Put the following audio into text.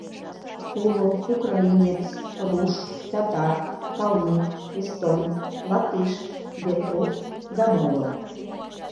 Уло украинец, руш, татар, калмык, эстон, латыш, белорус да моло.